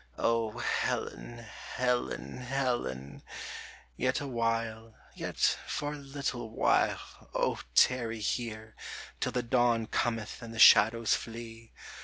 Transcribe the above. O Helen ! Helen ! Helen ! yet awhile, Yet for a little while, O tarry here, Till the dawn cometh and the shadows flee